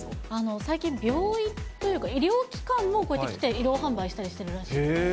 最近、病院というか、医療機関もこうやって来て移動販売したりしてるらしいです。